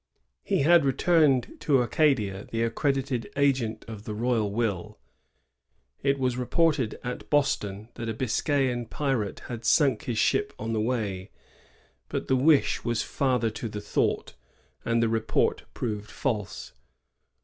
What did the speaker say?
He had returned to Acadia the accredited agent of the royal will. It was reported at Boston that a Biscayan pirate had sunk his ship on the way; but the wish was father to the thought, and the report proved false.